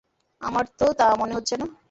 আমার তো তা মনে হচ্ছে না।